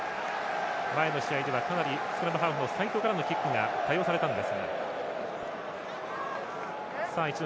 前の試合ではかなりスクラムハーフの齋藤のキックが多用されたんですが。